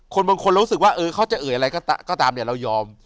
คนบางคนเรารู้สึกว่าเขาจะเอ่ยอะไรก็ตามเรายอม